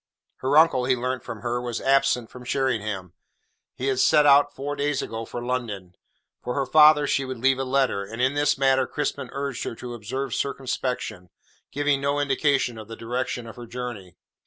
Her uncle, he learnt from her, was absent from Sheringham; he had set out four days ago for London. For her father she would leave a letter, and in this matter Crispin urged her to observe circumspection, giving no indication of the direction of her journey.